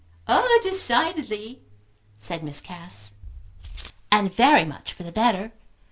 "Oh decidedly!" said Miss Cass. "And very much for the better.